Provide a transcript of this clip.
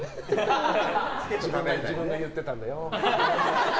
自分が言ってたんだよ。